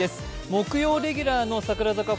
木曜レギュラーの櫻坂